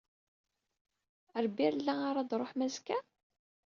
Ɣer Berlin ara ad ṛuḥem azekka?